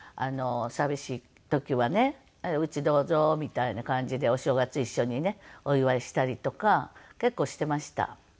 寂しい時はねうちどうぞみたいな感じでお正月一緒にねお祝いしたりとか結構していました。